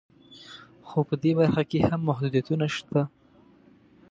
خو په دې برخه کې هم محدودیتونه شته